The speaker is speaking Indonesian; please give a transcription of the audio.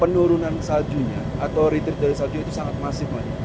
penurunan saljunya atau retail dari salju itu sangat masif